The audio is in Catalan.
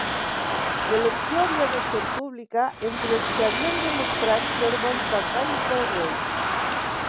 L'elecció havia de ser pública, entre els que havien demostrat ser bons vassalls del rei.